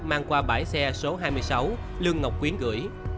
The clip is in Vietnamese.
mang qua bãi xe số hai mươi sáu lương ngọc quyến gửi